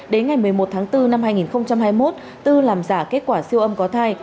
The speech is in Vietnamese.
đến ngày một mươi một tháng bốn năm hai nghìn hai mươi một tư làm giả kết quả siêu âm có thai